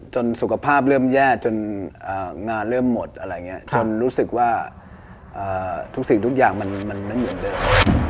สุขภาพเริ่มแย่จนงานเริ่มหมดอะไรอย่างนี้จนรู้สึกว่าทุกสิ่งทุกอย่างมันไม่เหมือนเดิม